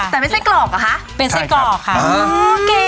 แต่เป็นเส้นกรอกเหรอค่ะเป็นเส้นกรอกโอ้เก๋มากโอ้เก๋